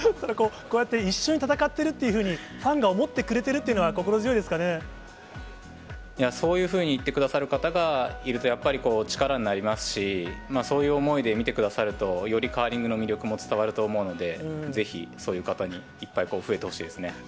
こうやって一緒に戦ってるっていうふうに、ファンが思ってくれてるというのは、心強いですかそういうふうに言ってくださる方がいるとやっぱりこう、力になりますし、そういう思いで見てくださると、よりカーリングの魅力も伝わると思うので、ぜひそういう方、いっぱい増えてほしいですね。